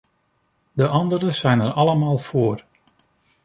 De andere zijn er allemaal voor.